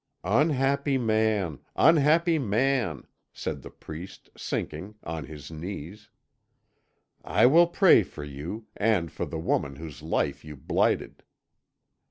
"Unhappy man! Unhappy man!" said the priest, sinking on his knees. "I will pray for you, and for the woman whose life you blighted."